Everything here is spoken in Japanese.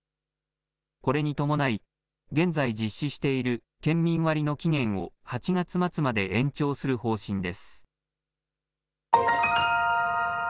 これに伴い現在、実施している県民割の期限を８月末まで延長する方針です。